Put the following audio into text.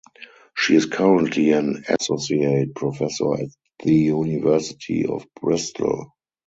She is currently an associate professor at the University of Bristol.